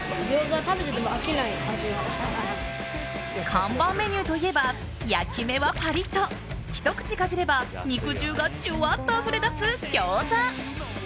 看板メニューといえば焼き目はパリッとひと口かじれば、肉汁がじゅわっとあふれ出す餃子！